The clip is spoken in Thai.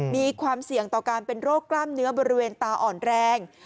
มีความเสี่ยงต่อการเป็นโรคกล้ามเนื้อบริเวณตาอ่อนแรง